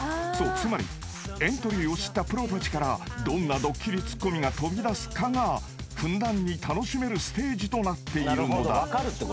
つまりエントリーを知ったプロたちからどんなドッキリツッコミが飛び出すかがふんだんに楽しめるステージとなっているのだ］